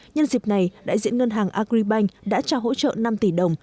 nhân dịp này đại diện ngân hàng agribank đã trao hỗ trợ năm tỷ đồng